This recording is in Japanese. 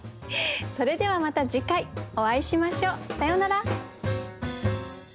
それではまた次回お会いしましょう。さようなら。